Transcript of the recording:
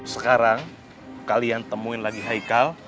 sekarang kalian temuin lagi haikal